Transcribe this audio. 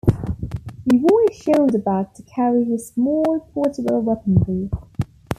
He wore a shoulder bag to carry his small, portable weaponry.